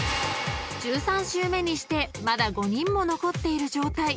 ［１３周目にしてまだ５人も残っている状態］